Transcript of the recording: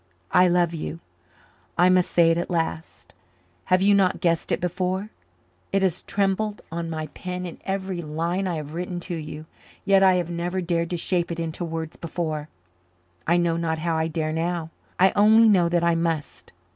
I love you. I must say it at last. Have you not guessed it before? It has trembled on my pen in every line I have written to you yet I have never dared to shape it into words before. I know not how I dare now. I only know that I must.